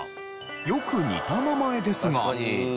よく似た名前ですが。